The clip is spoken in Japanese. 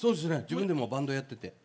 自分でもバンドやってて。